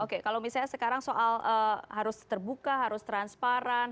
oke kalau misalnya sekarang soal harus terbuka harus transparan